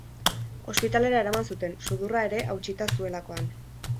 Ospitalera eraman zuten, sudurra ere hautsita zuelakoan.